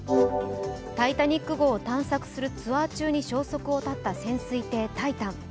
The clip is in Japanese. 「タイタニック」号を探索するツアー中に消息を絶った潜水艇「タイタン」。